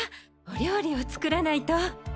お料理を作らないと。